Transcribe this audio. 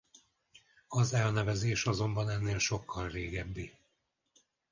Az elnevezés azonban ennél sokkal régebbi.